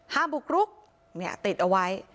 ห้ามบุกรุกติดเอาไว้